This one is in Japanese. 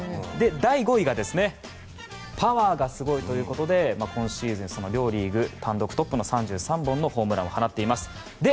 第５位がパワーがスゴイということで今シーズン両リーグ単独トップの３３本のホームランを放っています。